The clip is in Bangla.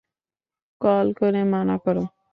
কল করে মানা করো।